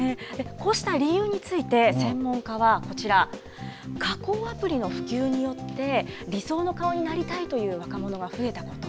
こうした理由について、専門家はこちら、加工アプリの普及によって、理想の顔になりたいという若者が増えたこと。